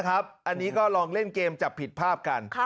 อันนี้ก็ลองเล่นเกมจับผิดภาพกัน